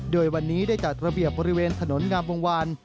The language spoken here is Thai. โดยวันนี้ได้จัดระเบียบบริเวณถนนงามวงวาน